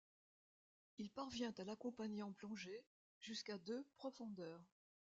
Il parvient à l'accompagner en plongée jusqu'à de profondeur.